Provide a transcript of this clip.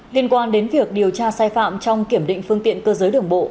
liên quan đến việc điều tra sai phạm trong kiểm định phương tiện cơ giới đường bộ